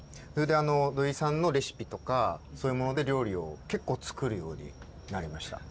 土井さんのレシピとかそういうもので料理を結構作るようになりました。